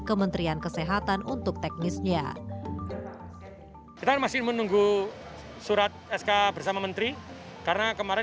kementerian kesehatan untuk teknisnya kita masih menunggu surat sk bersama menteri karena kemarin